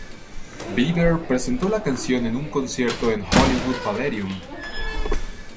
Bieber presentó la canción en un concierto en Hollywood Palladium.